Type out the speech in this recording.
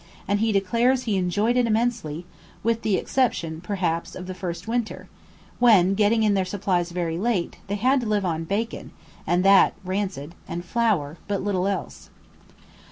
and he declares he enjoyed it immensely, with the exception, perhaps, of the first winter, when, getting in their supplies very late, they had to live on bacon (and that rancid) and flour, but little else.